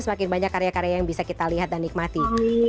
semakin banyak karya karya yang bisa kita lihat dan nikmati